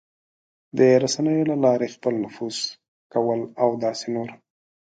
د رسنیو له لارې خپل نفوذ کول او داسې نور...